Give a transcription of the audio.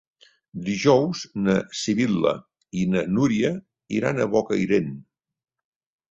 Dijous na Sibil·la i na Núria iran a Bocairent.